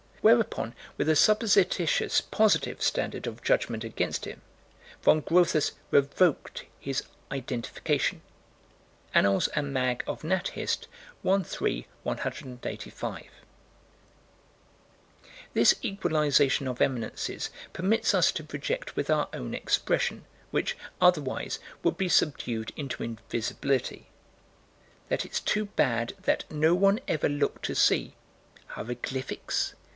Whereupon, with a supposititious "positive" standard of judgment against him, Von Grotthus revoked his "identification." (Annals and Mag. of Nat. Hist., 1 3 185.) This equalization of eminences permits us to project with our own expression, which, otherwise, would be subdued into invisibility: That it's too bad that no one ever looked to see hieroglyphics?